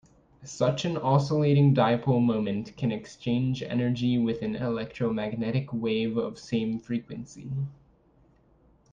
Such an oscillating dipole moment can exchange energy with an electromagnetic wave of same frequency.